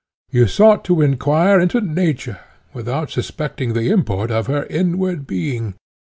You sought to inquire into Nature, without suspecting the import of her inward being.